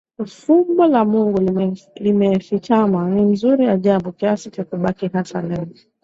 fumbo la Mungu limefichama ni mzuri ajabu kiasi cha kubaki hata leo